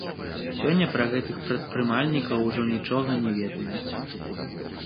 Сёння пра гэтых прадпрымальнікаў ужо нічога не ведаюць.